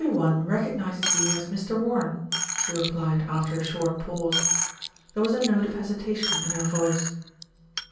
"Every one recognises you as Mr. Warren," she re plied, after a short pause. There was a note of hesi tation in her voice.